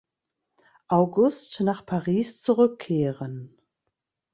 August nach Paris zurückkehren.